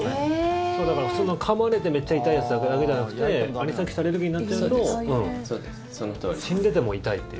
普通の、かまれてめっちゃ痛いやつじゃなくてアニサキスアレルギーになっちゃうと死んでても痛いっていう。